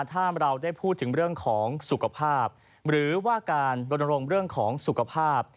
ถ้าเราได้พูดถึงเรื่องของสุขภาพหรือว่าการรณรงค์เรื่องของสุขภาพ